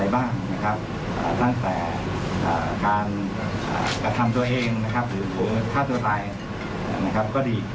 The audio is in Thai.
มีประเด็นอะไรบ้างตั้งแต่การกระทำตัวเอง